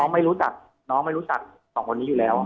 ไม่รู้จักน้องไม่รู้จักสองคนนี้อยู่แล้ว